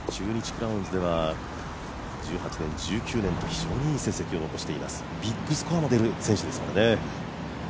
クラウンズでは１８年、１９年と非常にいい成績を残しています、ビッグスコアも出る選手ですからね。